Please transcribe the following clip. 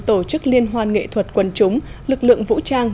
tổ chức liên hoan nghệ thuật quần chúng lực lượng vũ trang